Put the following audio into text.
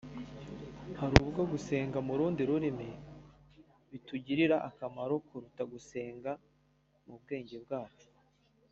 Hari ubwo gusenga mu rundi rurimi bitugirira akamaro kuruta gusenga mu bwenge bwacu